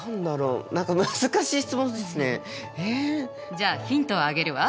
じゃあヒントをあげるわ。